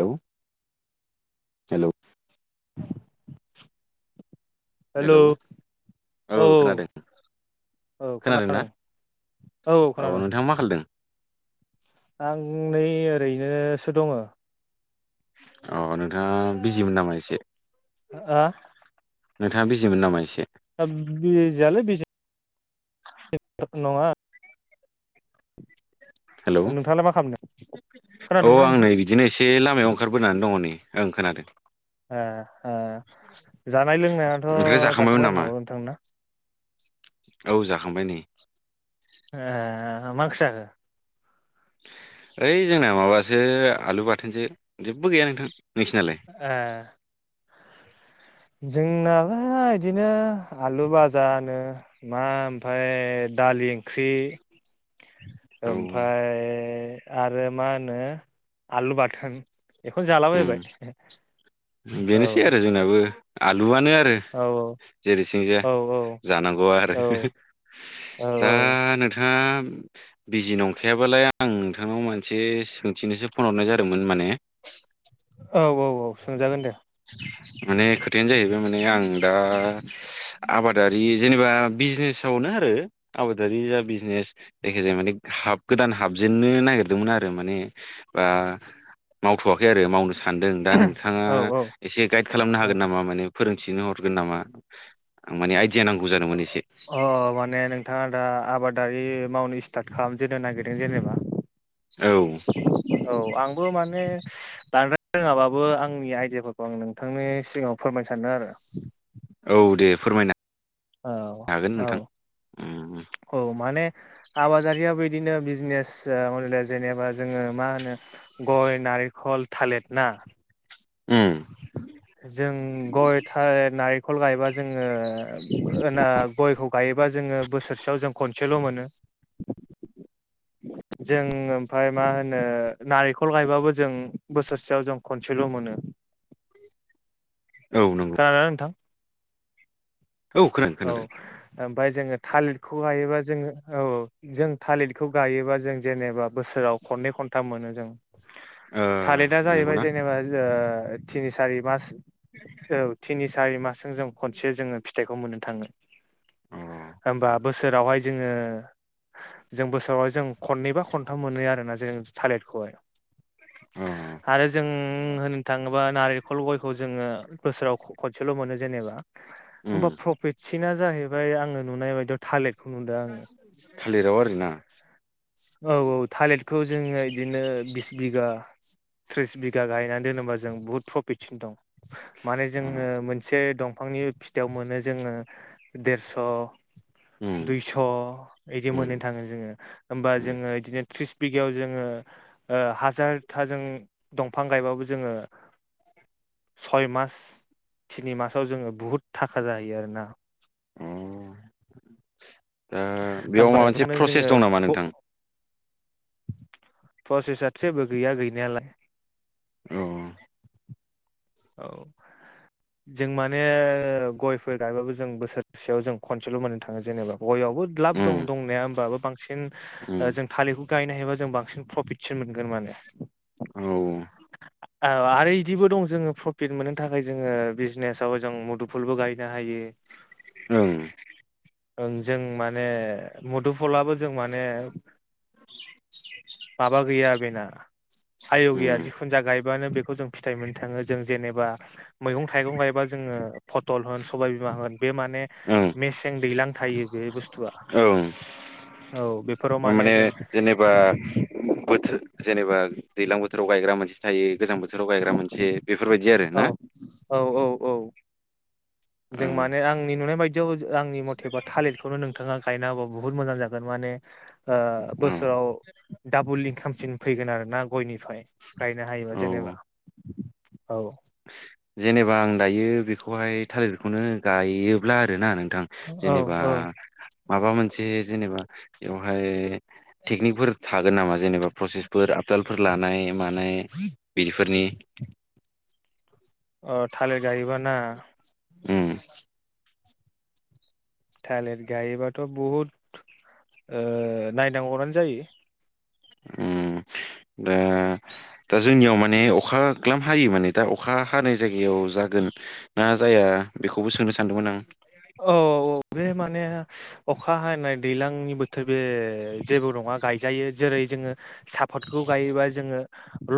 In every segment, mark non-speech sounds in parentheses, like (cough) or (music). Hello hello (inaudible) hello औ औ खोनादों औ नोंथाङा मा खालायदों? आं नै ओरैनोसो दंङो। अ नोंथाङा बिजिमोन नामा एसे। ओ नोंथाङा बिजिमोन नामा एसे? बिजिआलाय (unintelligible) नङा हेलौ नोंथाङालाय मा खालादों? औ आं नै बिदिनो एसे लामायाव ओंखारबोनानै दङ नै ओं खोनादों। ओ ओ जानाय लोंनायाथ' ओमफ्राय जाखांबायमोन जाखांबाय नामा होननो हागौ नोंथाना? औ जाखांबाय नै। ए मा ओंख्रि जाखो ओइ जोंना माबासो आलु बाथोनसो जेबो गैया नोंथां नोंसिनालाय ए जोंना बा इदिनो आलु बाजानो मा ओमफ्राय दालि ओंख्रि (inaudible) औ ओमफ्राय आरो मा होनो आलु बाथोन बेखौनो उम जालाबायबाय औ दुआनो आरो औ जेरैथिंजाया औ औ जानांगौ आरो औ औ दा नोंथाङा बिजि नंखायाबालाय आं नोंथांनाव मोनसे सोंथिनोसो फन हरनाय जादोंमोन माने औ औ औ सोंजागोन दे माने खोथायानो जाहैबाय माने आं दा आबादारि जेनेबा बिजनेसावनो आरो आबादारि जा बिजनेस जायखि जाया माने हाब गोदान हाब जेननो नागिरदोंमोन आरो माने बा मावथ'वाखै आरो मावनो सानदों दा नोंथाङा औ औ एसे गाइद खालामनो औ हागोन नामा माने फोरोंथिनो हरगोन नामा माने आइडिया नांगौ जादोंमोन एसे अ माने नोंथाङा दा आबादारि मावनो स्टार्ट खालामजेनो नागिरदों जेनेबा औ औ आंबो माने बां रोङाबाबो आंनि आइदियाफोरखौ आं नोंथांनि सिगाङाव फोरमायनो सानो आरो औ दे फोरमायनो औ हागोन औ नोंथां उम औ माने आबादारियाव बिदिनो बिजनेस जेनेबा जोङो मा होनो गय ना नारिेंखल थालिर ना उम जों गय नारेंखल गायबा जों जोङो होना गायोब्ला जों बोसोर सेयाव सेल' मोनो जों ओमफ्राय मा होनो नारेंखल गायबाबो जों बोसोरसेयाव जों खनसेल' मोनो (inaudible) औ नंगौ (unintelligible) नोंथां औ खोनादों खोनादों ओमफ्राय जोङो थालिरखौ गायोबा जोङो औ जों थालिरखौ गायोबा जों जेनेबा बोसोराव खनै खन्थाम मोनो जों ओ थालेरा जाहैबाय नंगौना जेनेबा ओ थिनि सारि मास औ थिनि सारि मासजों जों खनसे जोङो फिथाइखौ मोननो थाङो अ होमबा बोसोरावहाय जोङो जों बोसोरावहाय जों खननैबा खनथाम मोनो आरोना जों थालिरखौहाय अ आरो जों होननो थाङोबा नारेंखल गयखौ जोङो बोसोराव खनसेल' मोनो जेनेबा होमबा उम प्रफिटसिना जाहैबाय आङो नुनाय बायदियाव थालेिर थालिराव आरो ना औ औ था बेखौ जोङो बिदिनो बिस बिघा थ्रिस बिघा गायनानै दोनोबा जों बुहुद प्रफिट सिन दं माने जोङो अ मोनसे दंफांनि फिथाइाव मोनो जोङो देरस' उम दुइस' बिदि मोननो उम थाङो जोङो ओ उम जोङो इदिनो त्रिस बिगायाव जोङो ओ हाजारथाजों दंफां गायबाबो जोङो (inaudible) सय मास तिनि मासाव जोङो बुहुत थाखा जाहैयो आरोना दा ओ बेयाव होमबा माबा मोनसे ओंखायनो प्रसेस जोङो दं नामा नोंथां प्रसेस जेबो गैया गैनायालाय औ। औ जों माने गयफोर गायबाबो जों बोसोरसेयाव जों खनसेल' मोननो थाङो जेनेबा गयावबो दलाब दं उम दंनाया होमबाबो बांसिन उम ओ जों थालिरखौ गायनो हायोबा जों बांसिन प्रफिटसो मोनगोन माने। औ। ओ आरो इदिबो दं जोङो प्रफिट मोननो थाखाय जोङो बिजनेसाव जों मुदुफुलबो गायनो हायो। ओं। ओं जों माने मुदुफलाबो जों माने माबा गैया बेना आयु गैया उम जिखुनु जा गाय बिबानो बेखौ जों फिथाइ मोननो थाङो। जों जेनेबा मैगं-थाइगं गायबा जोङो फथल होन सबायबिमा होन बे माने ओं मेसें दैलां थायो बे बुस्थुआ। ओं औ बेफोराव माने जों जेनेबा बोथोर जेनेबा दैलां बोथोराव गायग्रा मोनसे थायो गोजां बोथ बोसोराव गायग्रा मोनसे बेफोरबायदि आरो ना? औ औ औ औ जों ओं माने आंनि नुनाय बायदियाव जो आंनि मथेबा थालिरखौनो नोंथाङा गायना गौ। बुहुद मोजां जागोन माने ओ ओं बोसोराव दाबुलि खामसिन फैगोन आरोना गयनिफाय गायनो हायोबा जेनेबा औ औ। जेनेबा आं दायो बेखौहाय थालिरखौनो गायोब्ला आरोना नों थां औ जेनेबा औ माबा मोनसे जेनेबा बेवहाय टेकनिकफोर थागोन नामा जेनेबा प्रसेसफोर तालफोर लानाय मानाय बिदिफोरनि अ' थालिर गायोबा ना। उम। थालिर गायोबाथ' बहुद ओ नायनांगौ आनो जायो। उम दा दा जोंनियाव माने अखा ग्लाम हायो माने दा अखा हानाय जायगायाव जागोन ना जाया दा बेखौबो सोंनो सानदोंमोन आं। औ औ बे माने अखा हानाय दैलांनि बोथोर बे जेबो नङा गायजायो जेरै जोङो सापाथ खौ गायोबा जोङो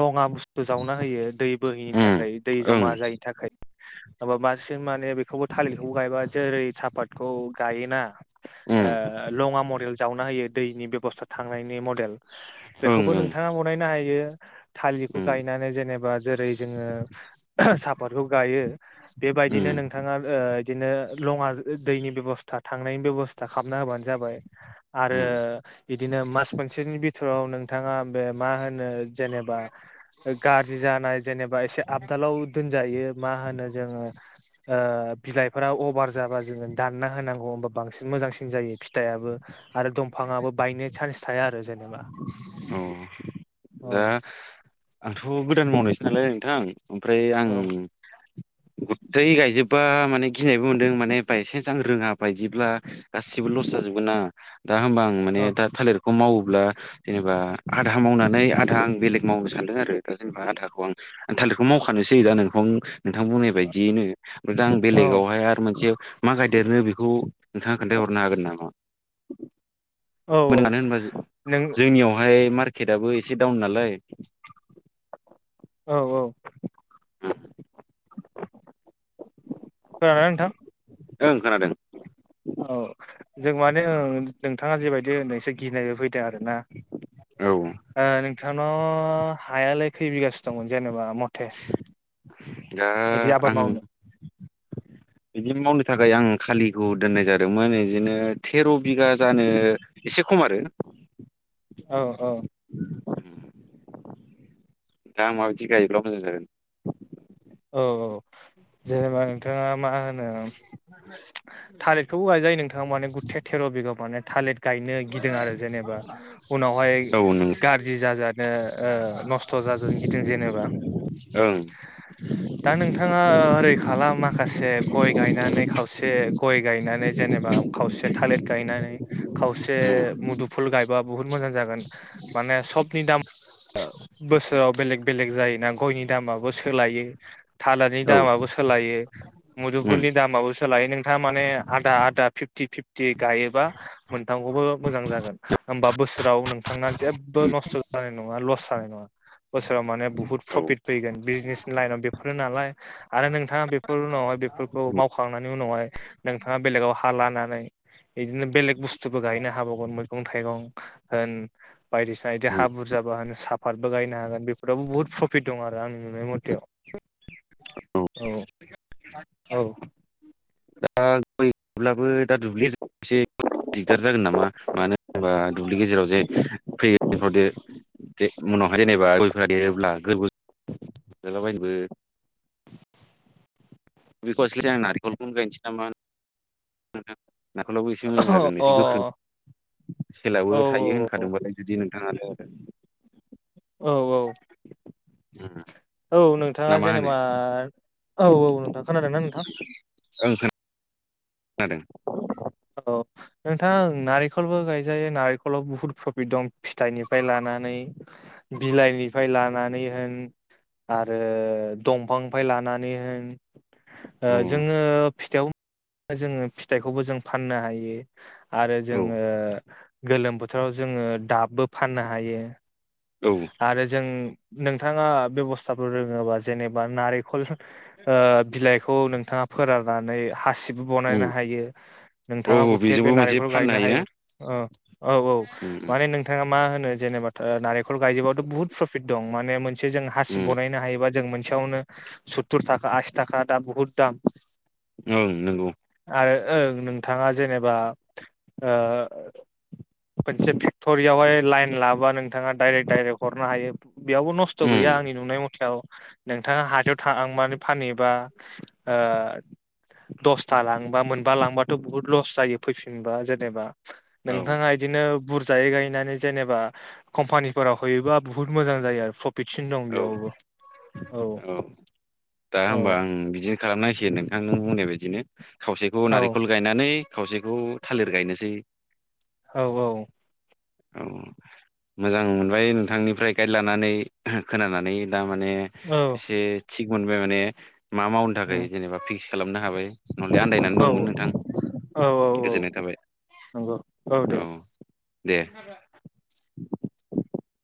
लङा बुस्थु जावना होयो दै बोहैनि उम थाखाय दै ओं जमा जायैनि थाखाय माबा बांसिन माने बेखौबो थालिरखौबो गायबा जेरै सापाथखौ गायोना ओ उम लङा मदेल जावना होयो दैनि बेब'स्था थांनायनि मडेल ओं बेखौबो नोंथाङा बनायनो हायो। थालिरखौ ओं गायनानै जेनेबा जेरै जोङो (unintelligible) सापथखौ गायो बेबायदिनो उम उम नोंथाङा ओ इदिनो लङा दैनि बेबस्था थांनायनि बेबस्था खालामना होबानो जाबाय। आरो उम बिदिनो मास मोनसेनि बिथोराव नोंथाङा बे मा होनो जेनेबा ओ गाज्रि जानाय जेनेबा एसे आबदालाव दोनजायो मा होनो जोङो ओ बिलाइफोरा अभार जाबा जोङो दानना होनांगौ होमबा बांसिन मोजांसिन जायो फिथाइआबो। आरो दंफाङाबो बायनो चान्स थाया आरो जेन। औ दा औ आंथ' गोदान मावनायसो नालाय नोंथां। ओमफ्राय आं औ गथै गायजोबबा माने गिनायबो मोनदों माने बायसेन्स आं रोङा बायदिब्ला गासिबो लस जाजोबगोन ना दा होमबा आं माने औ दा थालिरखौ मावोब्ला जेनेबा आधा मावनानै आधा आं बेलेग मावनो सानदों आरो। दा जेनेबा आधाखौ आं थालिरखौ माव मावखानोसै जायो दा नोंहं नोंथां बुंनाय बायदियैनो दा आं औ बेलेगावहाय आरो मोनसे मा गायदेरनो बेखौ नोंथाङा खोन्था हरनो हागोन नामा? औ होनो मानो होनबा जो नों जोंनियावहाय मार्केटआबो एसे डावन नालाय। औ औ। (unintelligible) खोनादोंना नोंथां ओं खोनादों। औ जों माने ओं नोंथाङा जेबायदि होनदों एसे गिनायबो फैदों आरोना। औ ओ नोंथांनाव हायालाय खै बिगासो दंमोन जेन'बा मथे दा बिदि आबाद आं मावनो बिदि मावनो थाखाय आं खालिखौ दोननाय जादोंमोन इदिनो थेर' बिगा जानो एसे खम आरो औ औ दा आं माबायदि गायोब्ला मोजां जागोन। औ औ जेनेबा नोंथाङा मा होनो थालिरखौबो गायजायो नोंथाङा माने गुथे थेर' बिगा माने थालिर गायनो गिदों आरो जेनेबा उनावहाय औ नों गाज्रि जाजानो ओ नस्थ' अब्ला जों गिदिं जेनोबा ओं दा नोंथाङा ओरै खालाम माखासे गय गायनानै खावसे गय गायनानै जों जेनेबा खावसे थालिर गायनानै खावसे उम मुदुफुल गायबा बुहुत मोजां जागोन माने सबनि दाम बोसोराव बेलेग बेलेग जायोना गयनि दामाबो सोलायो। थालारनि औ दामाबो सोलायो उम मुदुफुलनि दामाबो सोलायो नोंथाङा माने आदा आदा फिफ्टि फिफ्टि गायोबा मोनथामखौबो मोजां जागोन। होमबा बोसोराव नोंथांना जेबो नस्थ' जानाय नङा लस जानाय नङा। बोसोराव माने बुहुत औ प्रफिट फैगोन बिजनेसनि लाइनाव बे फोर नालाय आरो नोंथाङा बेफोर उनावहाय बेफोरखौ मावखांनायनि उनावहाय नोंथाङा बेलेगाव हा लानानै बिदिनो बेलेग बुस्थुबो गायनो हाबावगोन मैगं थाइगं ओ बायदिसिना बिदि उम हा बुरजाबा साफादबो होनो साफातबो गायनो हागोन बेफोरावबो बुहुत प्रफिट दं आरो आंनि नुनाय मथेबा औ औ दा गय गायब्लाबो दा दुब्लि जोबसै दिगदार जागोन नामा मानो होनोबा जे दुब्लि गेजेराव जे फैबावदो जे उनावहाय जेनेबा गयफोरा देरोब्ला गो (unintelligible) बै खावसे जों आं नारिखलखौनो गायनोसै नामा? नारेखोलाबो एसे मोजां जागोन अ एसे गोख्रों औ सेलाबो थायो होनखादोंबालाय जुदि नोंथाङानो औ औ औ ना नोंथाङा मा होनो जेनेबा औ औ नोंथां खोनादों ना नोंथां? जादों औ नोंथां नारिखलबो गायजायो नारिखलाव बुहुद प्रफिट दं फिथाइनिफ्राय लानानै बिलाइनिफ्राय लानानै होन आरो दंफांनिफाय लानानै होन ओ अ जोङो फिथाइयाव जोङो फिथाइखौबो जों फाननो हायो। आरो औ जोङो गोलोम बोथोराव जोङो दाबबो फाननो हायो। औ आरो जों नोंथाङा बेबस्थाफोर रोङोबा जेनेबा नारेंखल। ओ बिलाइखौ नोंथाङा फोराननानै हासिबबो बानायनो उम हायो नोंथाङा औ गुथे बे बेजोंबो मोनसे नारेंखल फाननो गायनो हायोना हायो औ औ। उम उम माने नोंथाङा मा होनो जेनेबा नारेंखल गायजोबबाथ' बहुत प्रफिट दं माने मोनसे जों हासि उम बनायनो हायोबा जों मोनसे खासेयावनो सत्तुर थाखा आसि थाखा दा बुहुद दाम। ओं नंगौ आरो ओं नोंथाङा जेनेबा ओ मोनसे फेक्ट'रियावहाय लाइन लाबा नोंथाङा डाइरेक्ट डाइरेक्ट हरनो हायो बेयावबो नस्थ' गैया उम आंनि नुनाय मथेयाव नोंथाङा हाथायाव थांबानानै फानहैबा ओ दसथा लांबा मोनबा लांबाथ' बुहुत लस जायो फैफिनबा जेनेबा औ नोंथाङा बिदिनो बुरजायै गायनानै जेनेबा कम्पानि फोराव हैयोबा बुहुत मोजां जायो आरो प्रफिटसिन दं औ बेयावबो औ दा औ होमबा आं बिदि खालामनांसिगोन नोंथां नों बुंनाय बायदिनो। खावसेखौ औ नारिखल गायनानै खावसेखौ थालिर गायनोसै औ औ मोजां मोनबाय नोंथांनिफ्राय गाइड लानानै खोनानानै दा माने औ एसे थिग मोनबाय माने मा मावनो थाखाय जेनेबा फिक्स खालामनो हाबाय। नलै आनन्दायनानै दंमोन नोंथां। औ औ गोजोननाय औ थाबाय नंगौ दे औ दे (inaudible)